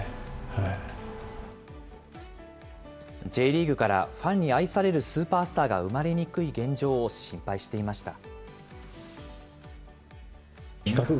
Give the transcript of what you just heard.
Ｊリーグからファンに愛されるスーパースターが生まれにくい現状を心配していました。